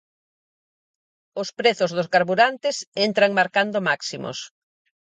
Os prezos dos carburantes entran marcando máximos.